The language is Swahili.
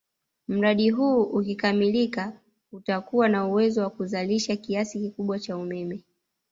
Mradi huu ukikamilika utakuwa na uwezo wa kuzalisha kiasi kikubwa cha umeme